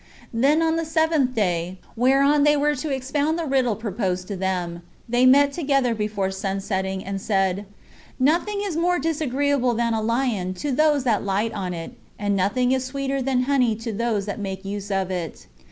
Then on the seventh day, whereon they were to expound the riddle proposed to them, they met together before sun setting, and said, "Nothing is more disagreeable than a lion to those that light on it, and nothing is sweeter than honey to those that make use of it."